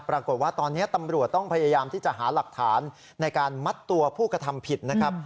ปรากฏว่าตอนนี้ตำรวจต้องพยายามที่จะหาหลักฐานในการมัดตัวผู้กระทำผิดนะครับ